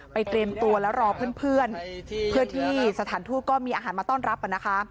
เตรียมตัวแล้วรอเพื่อนเพื่อที่สถานทูตก็มีอาหารมาต้อนรับนะคะ